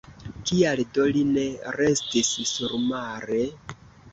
Kial do li ne restis surmare!